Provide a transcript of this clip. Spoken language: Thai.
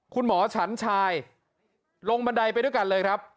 คุณหมอฉันชายลงบันไดไปด้วยกันเลยครับ